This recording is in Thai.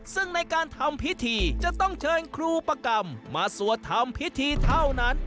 ซึ่งในการทำพิธีจะต้องเชิญครูปกรรมมาสวดทำพิธีเท่านั้น